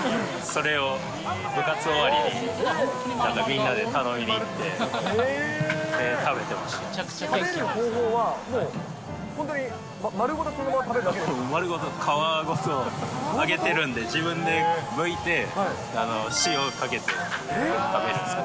それを部活終わりにみんなで食べる方法はもう、本当に丸丸ごと、皮ごと揚げてるんで、自分でむいて、塩かけて食べるんです。